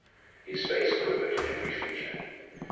His face quivered in every feature.